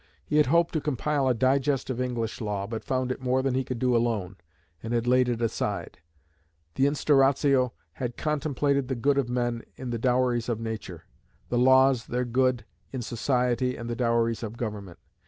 He had hoped to compile a digest of English law, but found it more than he could do alone, and had laid it aside. The Instauratio had contemplated the good of men "in the dowries of nature;" the Laws, their good "in society and the dowries of government."